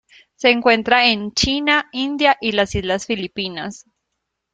Se encuentra en China, India y las islas Filipinas.